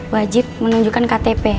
wajib menunjukkan ktp